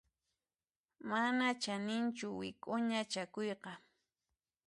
Manan chaninchu wik'uña chakuyqa.